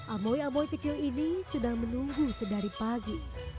amoy amoy kecil ini sudah menunggu sedari pagi